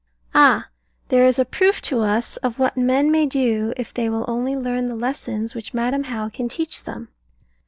Ah, there is a proof to us of what men may do if they will only learn the lessons which Madam How can teach them.